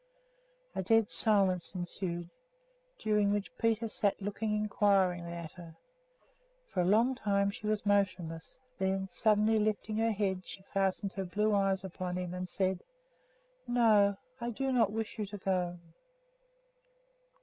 A dead silence ensued, during which Peter sat looking inquiringly at her. For a long time she was motionless; then, suddenly lifting her head, she fastened her blue eyes upon him and said, "No, I do not wish you to go."